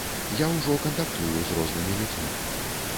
Я ўжо кантактую з рознымі людзьмі.